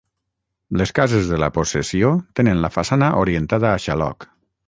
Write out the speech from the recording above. Les cases de la possessió tenen la façana orientada a xaloc.